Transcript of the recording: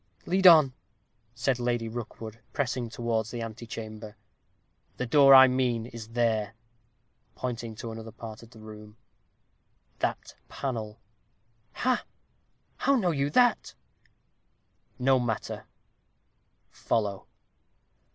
"Lead on!" said Lady Rookwood, pressing towards the antechamber. "The door I mean is there," pointing to another part of the room "that panel, " "Ha! how know you that?" "No matter; follow."